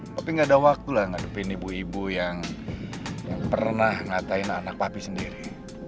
tapi gak ada waktu lah ngadepin ibu ibu yang pernah ngatain anak papi sendiri